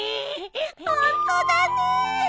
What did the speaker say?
ホントだね。